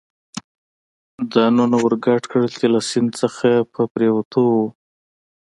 ځانونه ور ګډ کړل، چې له سیند څخه په پورېوتو و.